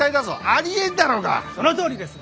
そのとおりです！